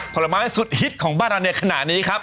ผลไม้สุดฮิตของบ้านเราในขณะนี้ครับ